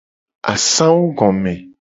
Asangugome.